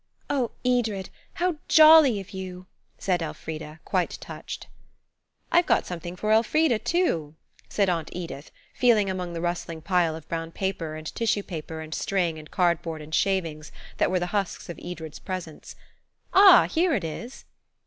"Oh, Edred, how jolly of you!" said Elfrida, quite touched. "I've got something for Elfrida too," said Aunt Edith, feeling among the rustling pile of brown paper, and tissue paper, and string, and cardboard, and shavings, that were the husks of Edred's presents. "Ah, here it is!"